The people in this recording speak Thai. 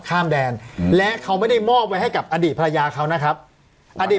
ข้ามแดนและเขาไม่ได้มอบไว้ให้กับอดีตภรรยาเขานะครับอดีต